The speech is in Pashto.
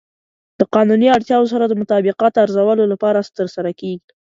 د قانوني اړتیاوو سره د مطابقت ارزولو لپاره ترسره کیږي.